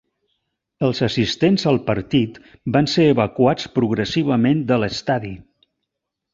Els assistents al partit van ser evacuats progressivament de l'estadi.